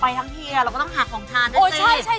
ตามแอฟผู้ชมห้องน้ำด้านนอกกันเลยดีกว่าครับ